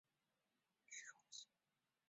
然后再绕去买羽绒衣